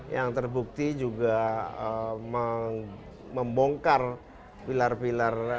yang terbukti juga membongkar pilar pilar